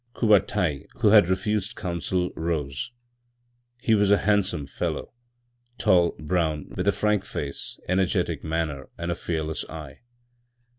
Courbataille, who had refused counsel, rose. He was a handsome fellow, tall, brown, with a frank face, energetic manner and a fearless eye.